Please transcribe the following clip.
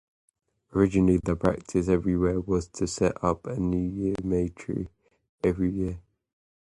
Originally the practice everywhere was to set up a new May-tree every year.